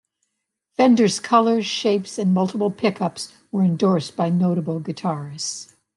Fender's colors, shapes and multiple pickups were endorsed by notable guitarists.